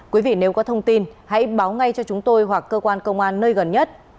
quý vị nếu có thông tin hãy báo ngay cho chúng tôi hoặc cơ quan công an nơi gần nhất